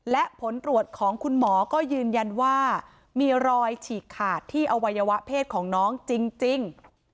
และผลตรวจของคุณหมอก็ยืนยันว่ามีรอยฉีกขาดที่อวัยวะเพศของน้องจริง